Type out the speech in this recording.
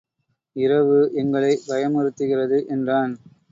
இரவு எங்களைப் பயமுறுத்துகிறது. என்றான்.